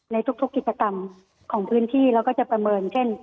ในทุกกิจกรรมของพื้นที่เราก็จะประเมินเช่น